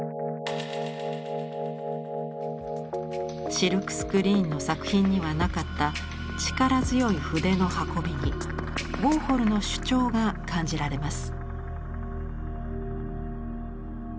シルクスクリーンの作品にはなかった力強い筆の運びにウォーホルの主張が感じられます。